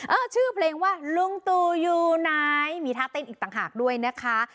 ชื่อเพลงว่าลุงตู่อยู่ไหนมีท่าเต้นอีกต่างหากด้วยนะคะ